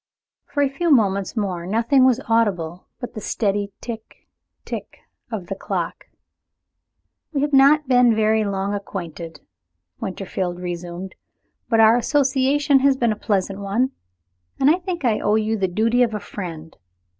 For a few moments more nothing was audible but the steady tick tick of the clock. "We have not been very long acquainted," Winterfield resumed. "But our association has been a pleasant one, and I think I owe to you the duty of a friend.